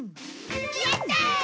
やった！！